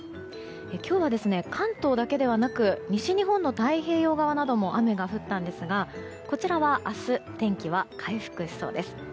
今日は関東だけではなく西日本の太平洋側なども雨が降ったんですがこちらは明日天気は回復しそうです。